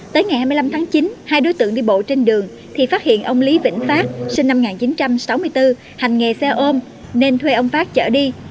tới ngày hai mươi năm tháng chín hai đối tượng đi bộ trên đường thì phát hiện ông lý vĩnh phát sinh năm một nghìn chín trăm sáu mươi bốn hành nghề xe ôm nên thuê ông phát chở đi